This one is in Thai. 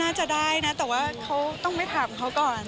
น่าจะได้นะแต่ว่าเขาต้องไปถามเขาก่อน